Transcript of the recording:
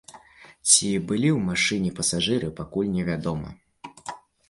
Ці былі ў машыне пасажыры, пакуль невядома.